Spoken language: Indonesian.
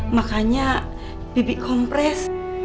makanya bibik kompres